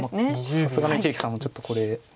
さすがの一力さんもちょっとこれ。